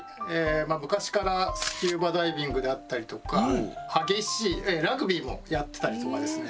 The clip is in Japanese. まあ昔からスキューバダイビングだったりとか激しいラグビーもやってたりとかですね